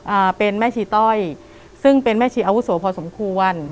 อ่าเป็นแม่ชีต้อยซึ่งเป็นแม่ชีอาวุโสพอสมควร